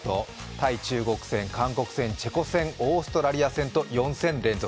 対中国戦、韓国戦、チェコ戦、オーストラリア戦と４戦連続。